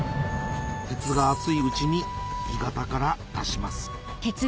鉄が熱いうちに鋳型から出します